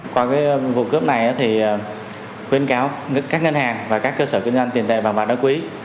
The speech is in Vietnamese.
qua vụ cướp này khuyên cáo các ngân hàng và các cơ sở kinh doanh tiền tệ bằng mặt đối quý